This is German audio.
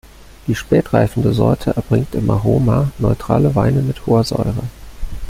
Die spätreifende Sorte erbringt im Aroma neutrale Weine mit hoher Säure.